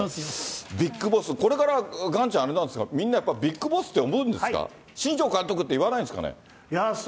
ビッグボス、これからガンちゃん、あれなんですか、みんなビッグボスって思うんですか、新庄監督って言わないんですかね。